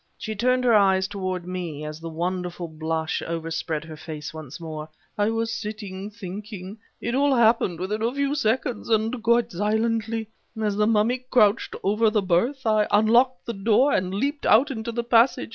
She turned her eyes toward me, as the wonderful blush overspread her face once more. "I was sitting thinking. It all happened within a few seconds, and quite silently. As the mummy crouched over the berth, I unlocked the door and leaped out into the passage.